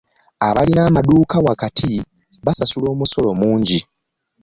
Abalina amaduuka wakati musasula omusolo mungi.